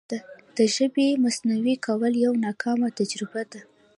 د ژبې مصنوعي کول یوه ناکامه تجربه ده.